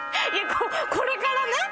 これから。